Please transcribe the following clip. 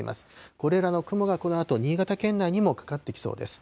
これらの雲がこのあと新潟県内にもかかってきそうです。